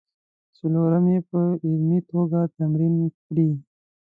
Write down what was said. څلورم یې په عملي توګه تمرین کړئ.